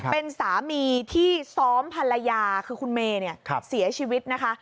เป็นสามีที่ซ้อมภรรยาคือคุณเมย์เสียชีวิตนะคะ